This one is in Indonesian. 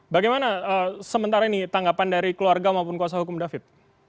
bagaimana sementara ini tanggapan dari keluarga maupun kuasa hukum david